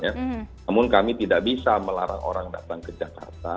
namun kami tidak bisa melarang orang datang ke jakarta